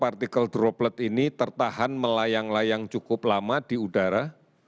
partikel droplet ini tertahan melayang layang cukup lama di udara